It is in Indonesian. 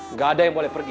nggak ada yang boleh pergi